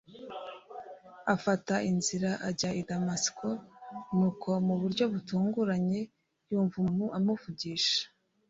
afata inzira ajya i damasiko nuko mu buryo butunguranye yumva umuntu amuvugisha